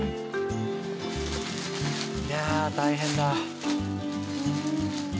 いや大変だ。